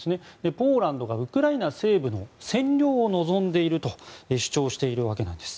ポーランドがウクライナ西部の占領を望んでいると主張しているわけです。